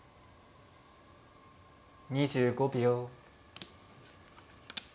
２５秒。